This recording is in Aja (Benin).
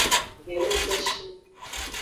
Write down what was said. Gelesoshi.